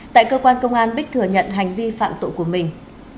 tại cơ quan công an bích thừa nhận hành vi phạm tội của mình